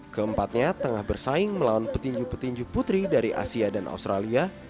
keempatnya tengah bersaing melawan petinju petinju putri dari asia dan australia